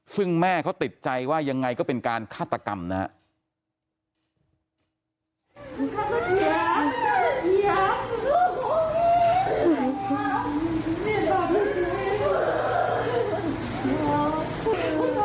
ซึ่งแม่เขาติดใจว่ายังไงก็เป็นการฆาตกรรมนะครับ